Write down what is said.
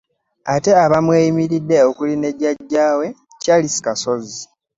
Ate abamweyimiridde okuli ne Jjajja we, Charles Kasozi